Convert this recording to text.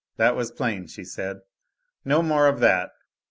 That was plain, she said. No more of that.